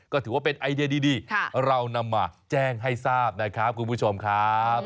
ก็ถือว่าเป็นไอเดียดีเรานำมาแจ้งให้ทราบนะครับคุณผู้ชมครับ